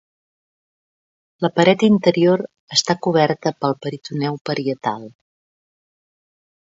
La paret interior està coberta pel peritoneu parietal.